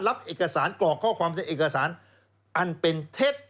รับเอกสารกรอกข้อความในเอกสารอันเป็นเท็จ